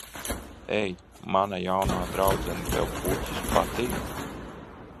Ei, mana jaunā draudzene, tev puķes patīk?